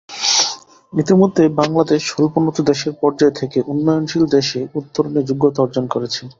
ইতিমধ্যে বাংলাদেশ স্বল্পোন্নত দেশের পর্যায় থেকে উন্নয়নশীল দেশে উত্তরণের যোগ্যতা অর্জন করেছে।